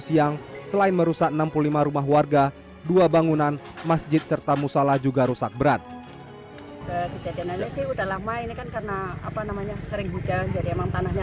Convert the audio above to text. siang selain merusak enam puluh lima rumah warga dua bangunan masjid serta musalah juga rusak berat kejadian